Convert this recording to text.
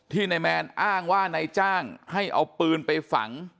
นายแมนอ้างว่านายจ้างให้เอาปืนไปฝัง